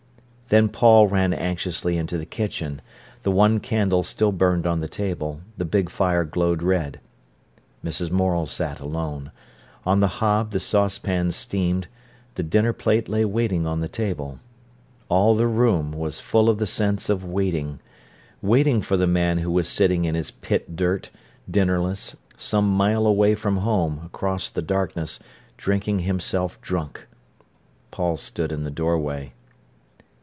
Then Paul ran anxiously into the kitchen. The one candle still burned on the table, the big fire glowed red. Mrs. Morel sat alone. On the hob the saucepan steamed; the dinner plate lay waiting on the table. All the room was full of the sense of waiting, waiting for the man who was sitting in his pit dirt, dinnerless, some mile away from home, across the darkness, drinking himself drunk. Paul stood in the doorway.